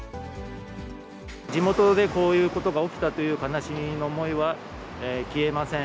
地元でこういうことが起きたという悲しみの思いは消えません。